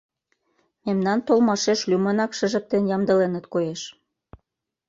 Мемнан толмашеш лӱмынак шыжыктен ямдыленыт, коеш.